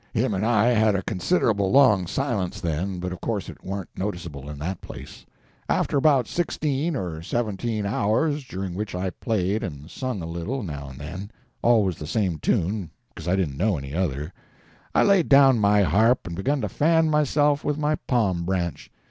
Him and I had a considerable long silence, then, but of course it warn't noticeable in that place. After about sixteen or seventeen hours, during which I played and sung a little, now and then—always the same tune, because I didn't know any other—I laid down my harp and begun to fan myself with my palm branch.